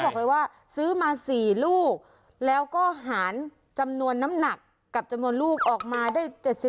บอกเลยว่าซื้อมา๔ลูกแล้วก็หารจำนวนน้ำหนักกับจำนวนลูกออกมาได้๗๐